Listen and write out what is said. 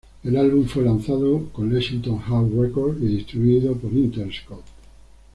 El álbum fue lanzado con Lexington House Records y distribuido por Interscope.